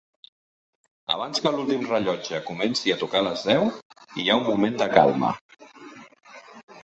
Abans que l'últim rellotge comenci a tocar les deu, hi ha un moment de calma.